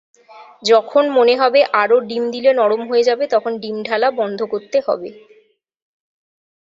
যখন মনে হবে আরো ডিম দিলে নরম হয়ে যাবে, তখন ডিম ঢালা বন্ধ করতে হবে।